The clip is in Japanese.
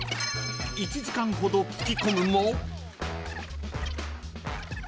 ［１時間ほど聞き込むも］